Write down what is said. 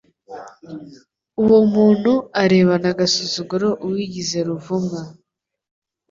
Uwo muntu arebana agasuzuguro uwigize ruvumwa